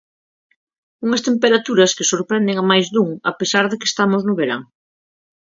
Unhas temperaturas que sorprenden a máis dun a pesar de que estamos no verán.